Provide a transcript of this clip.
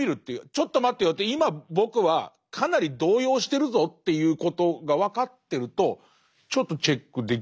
ちょっと待てよって今僕はかなり動揺してるぞということが分かってるとちょっとチェックできる。